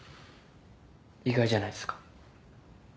意外じゃないですか？